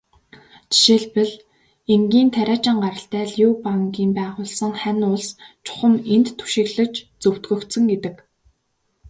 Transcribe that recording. Жишээлбэл, энгийн тариачин гаралтай Лю Бангийн байгуулсан Хань улс чухам энд түшиглэж зөвтгөгдсөн гэдэг.